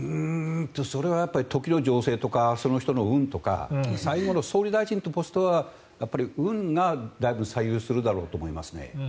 それは時の情勢とかその人の運とか最後の総理大臣というポストは運がだいぶ左右すると思います。